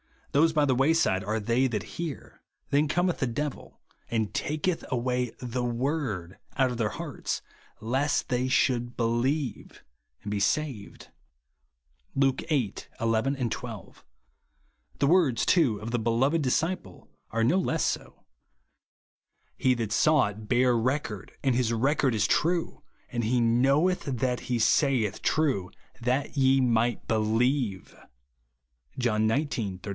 Those by the wayside are they that hear : then cometh 112 BELIEVE A'ND BE SAVED. the deiil, and taketh away^Ae luorcl out of their hearts, lest they should believe and be saved," (Luke viii. 11, 12). The words, too, of the beloved disciple are no less so ;—" He that saw it bare record, and his re cord is true ; and he knoiveth that he saith true, THAT YE MIGHT BELIEVE," (John xix.